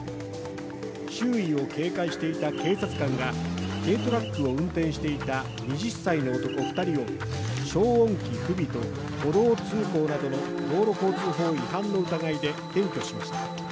周囲を警戒していた警察官が軽トラックを運転していた２０歳の男２人を消音器不備と歩道通行などの道路交通法違反の疑いで検挙しました。